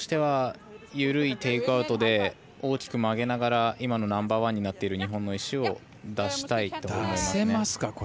狙いとしては緩いテイクアウトで大きく曲げながら今のナンバーワンになっている出せますか？